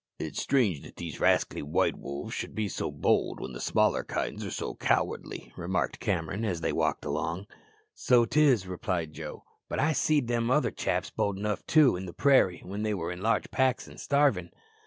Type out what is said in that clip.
"It is strange that these rascally white wolves should be so bold when the smaller kinds are so cowardly," remarked Cameron, as they walked along. "So 'tis," replied Joe; "but I've seed them other chaps bold enough too in the prairie when they were in large packs and starvin'."